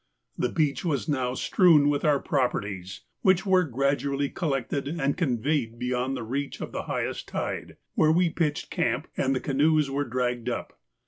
The beach was now strewn with our properties, which were gradually collected and conveyed beyond the reach of the highest tide, where we pitched camp and the canoes were dragged up.